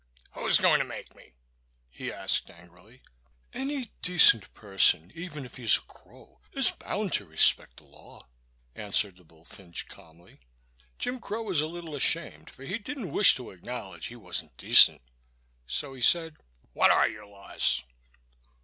"Who's going to make me?" he asked, angrily. "Any decent person, even if he's a crow, is bound to respect the law," answered the bullfinch, calmly. Jim Crow was a little ashamed, for he didn't wish to acknowledge he wasn't decent. So he said: "What are your laws?"